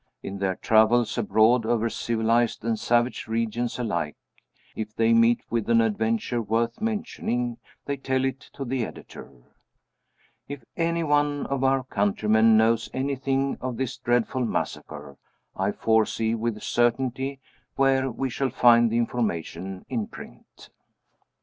In their travels abroad, over civilized and savage regions alike, if they meet with an adventure worth mentioning they tell it to the Editor. If any one of our countrymen knows anything of this dreadful massacre, I foresee with certainty where we shall find the information in print.